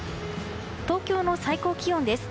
東京の最高気温です。